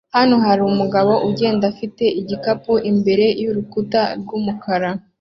Hano hari umugabo ugenda afite igikapu imbere yurukuta rwumukara